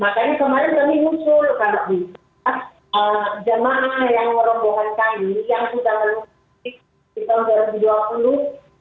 makanya kemarin kami muncul kalau di jemaah yang merombohkan kami yang sudah melunasi di tahun dua ribu dua puluh